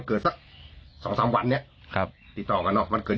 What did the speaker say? เราจะอาจจะอคะแนี่ย